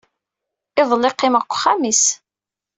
Iḍelli, qimeɣ deg uxxam-is.